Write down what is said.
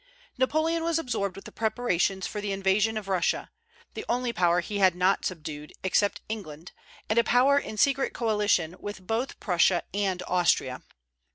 Napoleon was absorbed with the preparations for the invasion of Russia, the only power he had not subdued, except England, and a power in secret coalition with both Prussia and Austria.